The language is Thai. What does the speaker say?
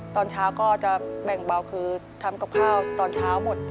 ตอนเช้าก็จะแบ่งเบาคือทำกับข้าวตอนเช้าหมด